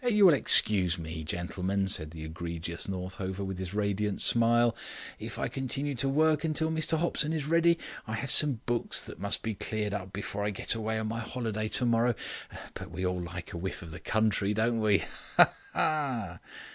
"You will excuse me, gentlemen," said the egregious Northover, with his radiant smile, "if I continue to work until Mr Hopson is ready. I have some books that must be cleared up before I get away on my holiday tomorrow. And we all like a whiff of the country, don't we? Ha! ha!"